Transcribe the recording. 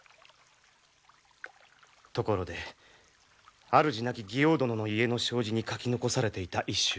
ところであるじなき妓王殿の家の障子に書き残されていた一首。